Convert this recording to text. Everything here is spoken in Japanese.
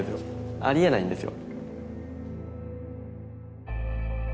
ありえないんですよ。